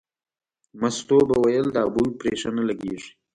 مستو به ویل دا بوی پرې ښه نه لګېږي.